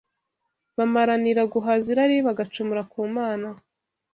bamaranira guhaza irari bagacumura ku Mana